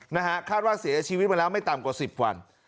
นะฮะคาดว่าเสียชีวิตมาแล้วไม่ต่ำกว่าสิบวัน